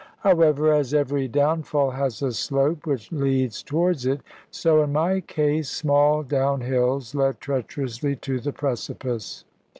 However, as every downfall has a slope which leads towards it, so in my case small downhills led treacherously to the precipice.